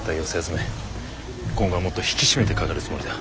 今後はもっと引き締めてかかるつもりだ。